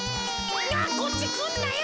こっちくんなよ。